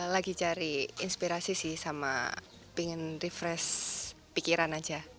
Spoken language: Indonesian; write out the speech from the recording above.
lagi cari inspirasi sih sama pengen refresh pikiran aja